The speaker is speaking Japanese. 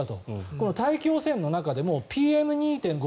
この大気汚染の中でもＰＭ２．５